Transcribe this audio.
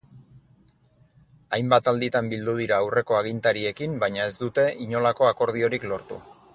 Hainbat alditan bildu dira aurreko agintariekin baina ez dute inolako akordiorik lortu.